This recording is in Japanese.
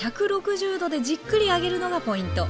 １６０℃でじっくり揚げるのがポイント。